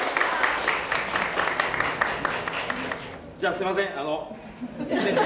すみません。